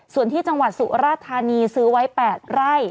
ส่วนที่จังหวัดสุราธานีซื้อไว้๘ไร่